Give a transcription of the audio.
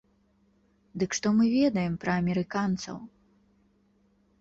Дык што мы ведаем пра амерыканцаў?